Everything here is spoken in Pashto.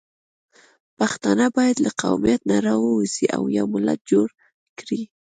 پښتانه باید له قومیت نه راووځي او یو ملت جوړ کړي